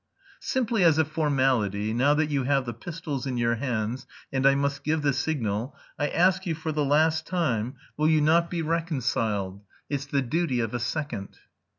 "Simply as a formality, now that you have the pistols in your hands, and I must give the signal, I ask you for the last time, will you not be reconciled? It's the duty of a second."